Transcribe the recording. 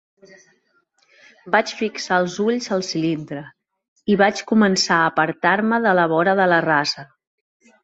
Vaig fixar els ulls al cilindre i vaig començar a apartar-me de la vora de la rasa.